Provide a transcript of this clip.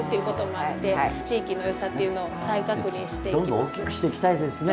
どんどん大きくしていきたいですね。